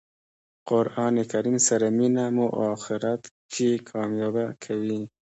قران کریم سره مینه مو آخرت کښي کامیابه کوي.